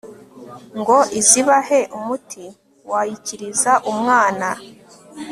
ngo izibaze umuti wayikiriza umwana